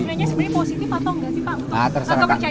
ini maksudnya sebenarnya positif atau enggak sih pak